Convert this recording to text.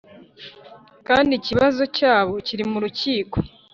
Kandi ikibazo cyabo kiri mu Rukiko